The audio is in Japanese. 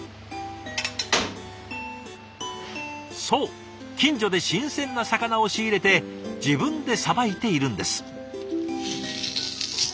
そう近所で新鮮な魚を仕入れて自分でさばいているんです。